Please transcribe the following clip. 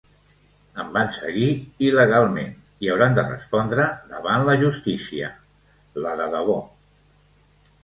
Em van seguir il·legalment i hauran de respondre davant la justícia, la de debò.